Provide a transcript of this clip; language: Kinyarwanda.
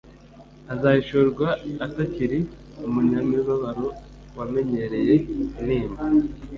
Azahishurwa atakiri umunyamibabaro wamenyereye intimba,